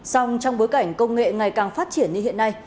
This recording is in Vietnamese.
song trong bối cảnh công nghệ ngày càng phát triển như hiện nay